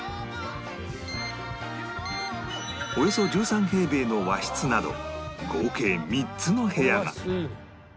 およそ１３平米の和室など合計３つの部屋が